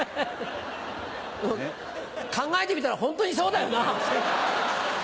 考えてみたらホントにそうだよな！